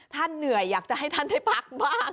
เหนื่อยอยากจะให้ท่านได้พักบ้าง